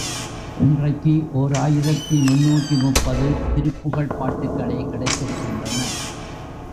இன்றைக்கு ஓர் ஆயிரத்து முன்னூற்று முப்பது திருப்புகழ்ப் பாட்டுக்களே கிடைத்திருக்கின்றன.